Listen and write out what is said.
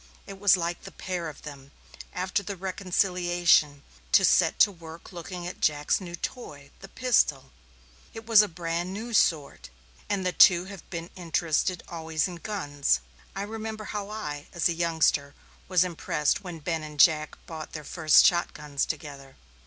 It was like the pair of them, after the reconciliation, to set to work looking at Jack's new toy, the pistol. It was a brand new sort, and the two have been interested always in guns I remember how I, as a youngster, was impressed when Ben and Jack bought their first shot guns together.